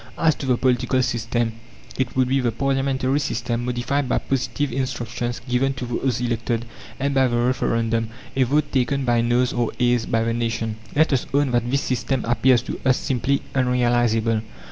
As to the political system, it would be the Parliamentary system, modified by positive instructions given to those elected, and by the Referendum a vote, taken by noes or ayes by the nation. Let us own that this system appears to us simply unrealizable.